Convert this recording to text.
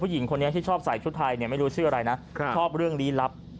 หญิงคนนี้ที่ชอบใส่ชุดไทยไม่รู้ชื่ออะไรนะชอบเรื่องลี้ลับ